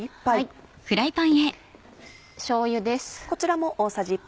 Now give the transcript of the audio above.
しょうゆです。